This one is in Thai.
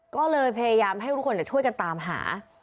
ก็เลยพยายามให้ทุกคนช่วยกันตามหา